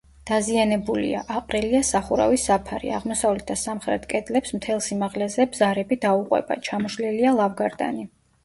დაზიანებულია: აყრილია სახურავის საფარი, აღმოსავლეთ და სამხრეთ კედლებს მთელ სიმაღლეზე ბზარები დაუყვება, ჩამოშლილია ლავგარდანი.